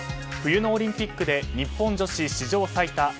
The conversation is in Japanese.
冬のオリンピックで日本女子史上最多